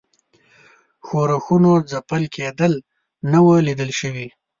ښورښونو ځپل کېدل نه وه لیده شوي.